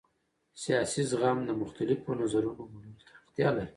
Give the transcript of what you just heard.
سیاسي زغم د مختلفو نظرونو منلو ته اړتیا لري